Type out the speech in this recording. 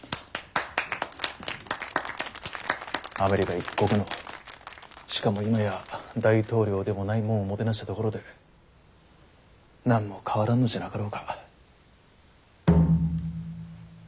アメリカ一国のしかも今や大統領でもないもんをもてなしたところで何も変わらんのじゃなかろうか。